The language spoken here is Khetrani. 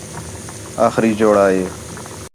آخری جوڑا ہِے